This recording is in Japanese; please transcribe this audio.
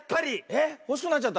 えっほしくなっちゃった？